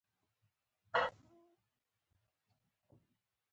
که لغمانی نه وای.